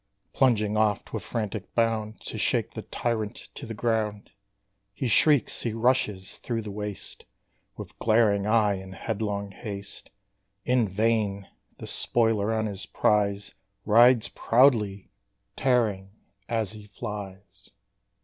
Plunging oft with frantic bound, To shake the tyrant to the ground, He shrieks, he rushes through the waste, With glaring eye and headlong haste: In vain! the spoiler on his prize Rides proudly tearing as he flies.